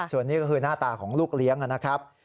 ส่วนนี้ก็คือหน้าตาของลูกเลี้ยงนะครับ